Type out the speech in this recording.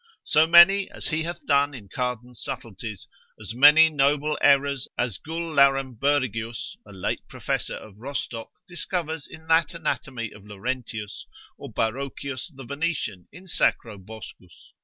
So many as he hath done in Cardan's subtleties, as many notable errors as Gul Laurembergius, a late professor of Rostock, discovers in that anatomy of Laurentius, or Barocius the Venetian in Sacro boscus.